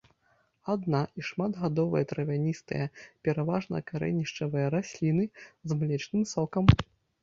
Адна- і шматгадовыя травяністыя, пераважна карэнішчавыя расліны з млечным сокам.